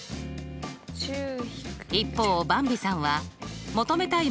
一方ばんびさんは求めたい